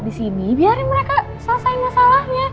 berantem disini biarin mereka selesaikan masalahnya